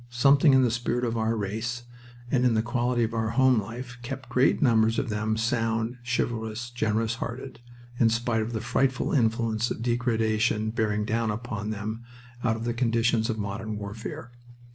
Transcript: Something in the spirit of our race and in the quality of our home life kept great numbers of them sound, chivalrous, generous hearted, in spite of the frightful influences of degradation bearing down upon them out of the conditions of modern warfare.